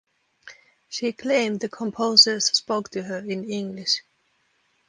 She claimed the composers spoke to her in English.